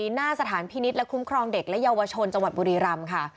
หน้าสถานพินิษฐ์และคุ้มครองเด็กและเยาวชนจังหวัดบุรีรำค่ะ